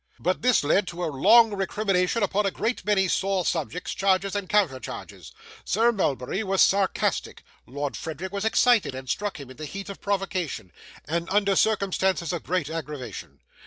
But this led to a long recrimination upon a great many sore subjects, charges, and counter charges. Sir Mulberry was sarcastic; Lord Frederick was excited, and struck him in the heat of provocation, and under circumstances of great aggravation.